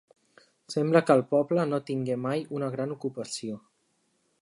Sembla que el poble no tingué mai una gran ocupació.